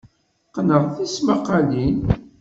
Qqneɣ tismaqqalin.